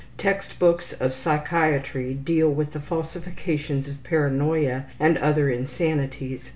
Text books of psychiatry deal with the falsifications of paranoia and other insanities.